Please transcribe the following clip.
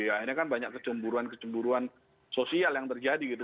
akhirnya kan banyak kecemburuan kecemburuan sosial yang terjadi gitu